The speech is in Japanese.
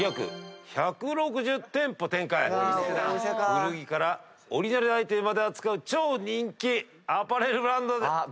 古着からオリジナルアイテムまで扱う超人気アパレルブランド。